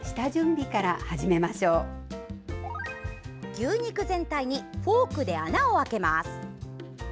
牛肉全体にフォークで穴を開けます。